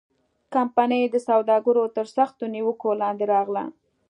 کمپنۍ د سوداګرو تر سختو نیوکو لاندې راغله.